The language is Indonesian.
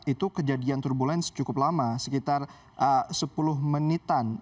itu kejadian turbulence cukup lama sekitar sepuluh menitan